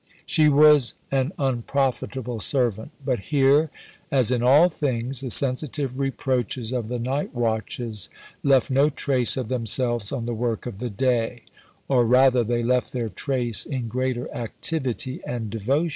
She was an unprofitable servant. But here, as in all things, the sensitive reproaches of the night watches left no trace of themselves on the work of the day; or rather, they left their trace in greater activity and devotion.